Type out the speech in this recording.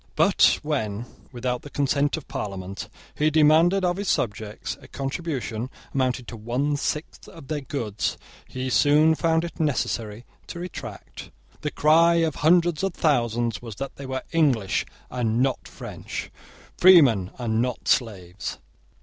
But when, without the consent of Parliament, he demanded of his subjects a contribution amounting to one sixth of their goods, he soon found it necessary to retract. The cry of hundreds of thousands was that they were English and not French, freemen and not slaves.